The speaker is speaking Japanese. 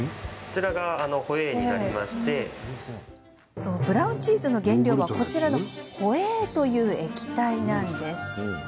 そう、ブラウンチーズの原料はこちらのホエーという液体。